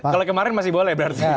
kalau kemarin masih boleh berarti